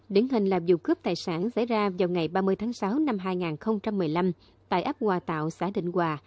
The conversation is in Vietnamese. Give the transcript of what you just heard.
điển hình là vụ cướp tài sản xảy ra vào ngày ba mươi tháng sáu năm hai nghìn một mươi năm tại ấp hòa tạo xã định hòa